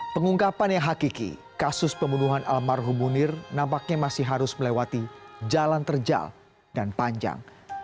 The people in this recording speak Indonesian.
pengungkapan yang hakiki kasus pembunuhan almarhum munir nampaknya masih harus melewati jalan terjal dan panjang